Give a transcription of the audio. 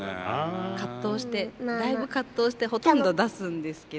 葛藤してだいぶ葛藤してほとんど出すんですけど。